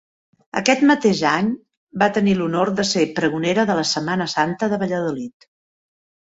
Aquest mateix any va tenir l'honor de ser pregonera de la Setmana Santa de Valladolid.